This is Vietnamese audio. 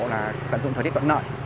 là cận dụng thời tiết vận lợi